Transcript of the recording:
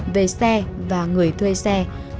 về xe và người thuê xe